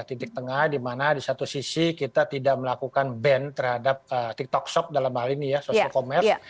titik tengah di mana di satu sisi kita tidak melakukan ban terhadap tiktok shop dalam hal ini ya social commerce